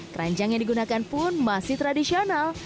keranjang yang digunakan pun masih tradisional